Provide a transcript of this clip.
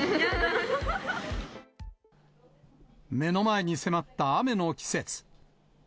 目の前に迫った雨の季節。